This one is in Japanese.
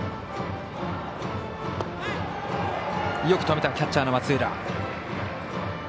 よくとめた、キャッチャーの松浦。